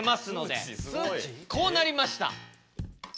こうなりました！